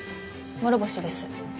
諸星です。